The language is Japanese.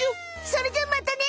それじゃまたね！